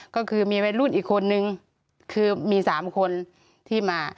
ก็คือมีวัยรุ่นอีกคนนึงคือมี๓คนที่มา